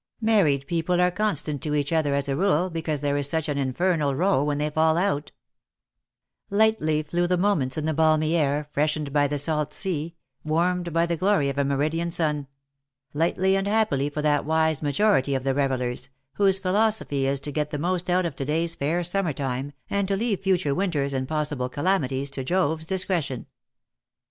Married people are constant to each other, as a rule^, because there is such an infernal row when they fall out/' Lightly flew the moments in the balmy air, freshened by the salt sea, warmed by the glory of a meridian sun — lightly and happily for that wise majority of the revellers, whose philosophy is to get the most out of to day's fair summer time, and to leave future winters and possible calamities to Jove's discretion.